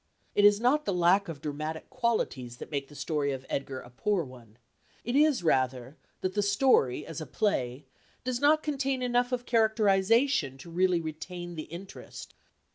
It is not the lack of dramatic qualities that make the story of Edgar a poor one; it is rather that the story, as a play, does not contain enough of characterisation to really retain the interest.